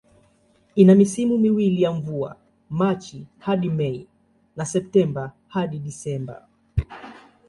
Ina misimu miwili ya mvua, Machi hadi Mei na Septemba hadi Disemba.